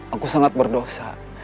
aku sangat berdosa